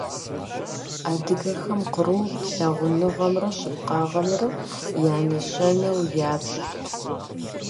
Адыгэхэм кърур лъагъуныгъэмрэ щыпкъагъэмрэ я нэщэнэу ябжырт.